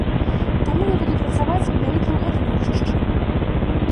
Таму я буду працаваць менавіта ў гэтым рэчышчы.